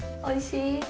おいしい？